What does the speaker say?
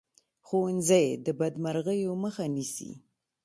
ښوونځی د بدمرغیو مخه نیسي